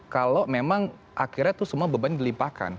kalau memang akhirnya itu semua beban dilimpahkan